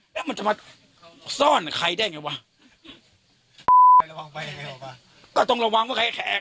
แล้วมันจะมาซ่อนใครได้ไงวะไประวังไปยังไงออกมาก็ต้องระวังว่าใครแข็ง